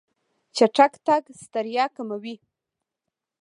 چټک تګ ستړیا کموي.